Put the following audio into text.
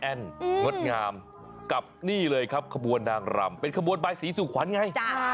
อรแอ่งงดงามกับนี่เลยครับคบวนดางรำเป็นคบวนใบสีสู่ขวัญไง